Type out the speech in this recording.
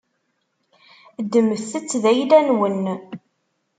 Ddmet-tt d ayla-nwen.